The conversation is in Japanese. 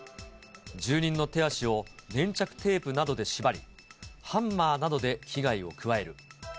住人の手足を粘着テープなどで縛り、ハンマーなどで危害を加える。